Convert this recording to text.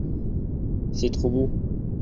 c'est trop beau.